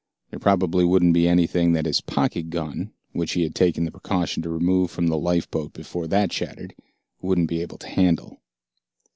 There probably wouldn't be anything that his pocket gun, which he had taken the precaution to remove from the lifeboat before that shattered, wouldn't be able to handle.